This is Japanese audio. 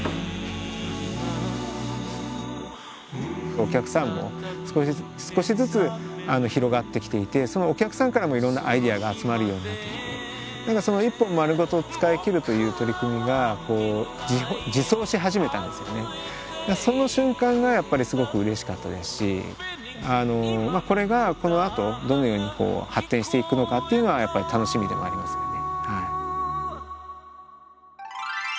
お客さんも少しずつ広がってきていてそのお客さんからもいろんなアイデアが集まるようになってきてその瞬間がやっぱりすごくうれしかったですしこれがこのあとどのように発展していくのかっていうのはやっぱり楽しみでもありますよね。